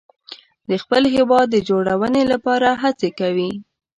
د خپل هیواد جوړونې لپاره هڅې کوي.